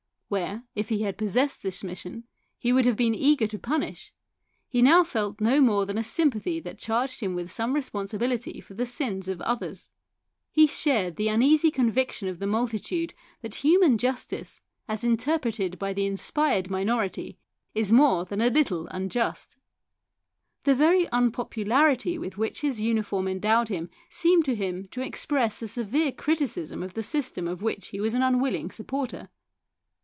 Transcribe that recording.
Where, if he had possessed this mission, he would have been eager to punish, he now felt no more than a sympathy that charged him with some responsibility for the sins of others. He shared the uneasy conviction of the multitude that human justice, as interpreted by the inspired minority, is more than a little unjust. The very unpopularity with which his uniform endowed him seemed to him to express a severe criticism of the system of which he was an unwilling supporter.